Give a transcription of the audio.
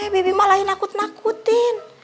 bibi malah nakut nakutin